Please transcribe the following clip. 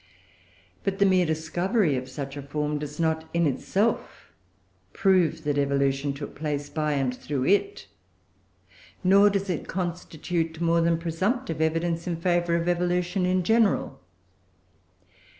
But the mere discovery of such a form does not, in itself, prove that evolution took place by and through it, nor does it constitute more than presumptive evidence in favour of evolution in general.